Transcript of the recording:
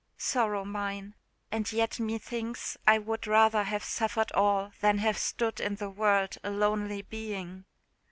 Sorrow mine! and yet me thinks I would rather have suffered all than have stood in the world a lonely being.